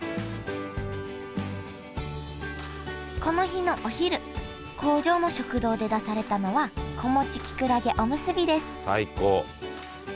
この日のお昼工場の食堂で出されたのは「子持ちきくらげおむすび」です最高。